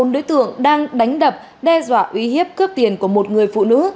bốn đối tượng đang đánh đập đe dọa uy hiếp cướp tiền của một người phụ nữ